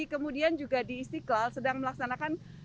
kemudian juga di istiqlal sedang melaksanakan